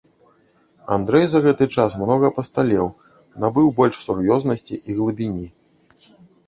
Андрэй за гэты час многа пасталеў, набыў больш сур'ёзнасці і глыбіні.